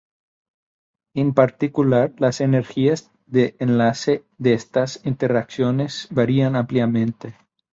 En particular, las energías de enlace de estas interacciones varían ampliamente.